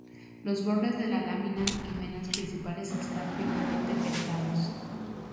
Los bordes de la lámina y venas principales están finamente dentados.